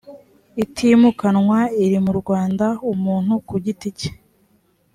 itimukanwa iri mu rwanda umuntu ku giti cye